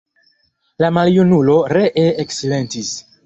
La maljunulo ree eksilentis.